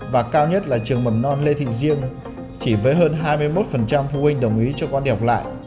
và cao nhất là trường mập mầm non lê thị diêng chỉ với hơn hai mươi một phụ huynh đồng ý cho con đi học lại